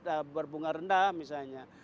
ya berbunga rendah misalnya